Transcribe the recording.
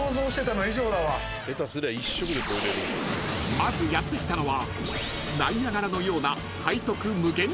［まずやってきたのは］